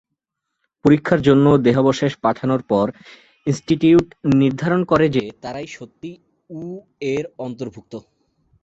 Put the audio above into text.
পরীক্ষার জন্য দেহাবশেষ পাঠানোর পর, ইনস্টিটিউট নির্ধারণ করে যে তারা সত্যিই উ এর অন্তর্গত।